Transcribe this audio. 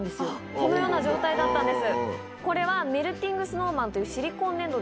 このような状態だったんですこれは。